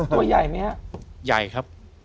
ตัวใหญ่ไหมครับ